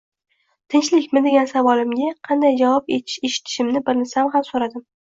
Tinchlikmi degan savolimga qanday javob eshitishimni bilsam ham, so`radim